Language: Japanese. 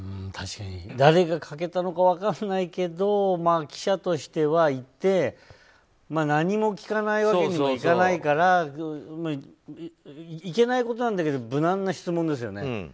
誰がかけたのか分からないけど記者としては行って、何も聞かないわけにはいかないからいけないことなんだけど無難な質問ですよね。